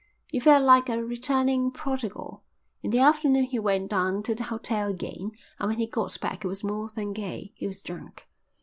He felt like a returning prodigal. In the afternoon he went down to the hotel again and when he got back he was more than gay, he was drunk.